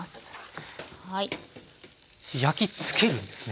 焼きつけるんですね。